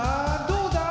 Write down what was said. どうだ？